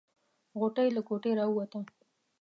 غوټۍ له کوټې راووته.